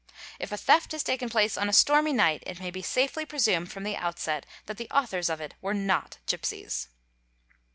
If a theft has taken place on a stormy night it may be safely _ presumed from the outset that the authors of it were not gipsies.